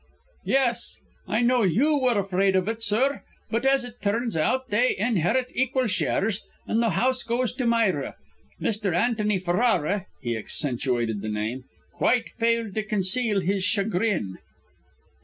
"Yes. I know you were afraid of it, sir! But as it turns out they inherit equal shares, and the house goes to Myra. Mr. Antony Ferrara" he accentuated the name "quite failed to conceal his chagrin."